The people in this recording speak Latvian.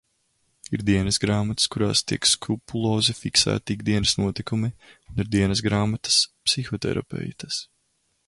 Ir dienasgrāmatas, kurās tiek skrupulozi fiksēti ikdienas notikumi, un ir dienasgrāmatas – psihoterapeites.